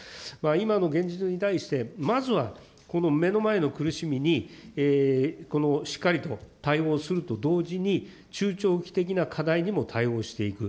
今の現実に対して、まずは、この目の前の苦しみに、このしっかりと対応すると同時に、中長期的な課題にも対応していく。